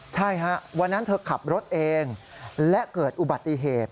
ใช่ฮะวันนั้นเธอขับรถเองและเกิดอุบัติเหตุ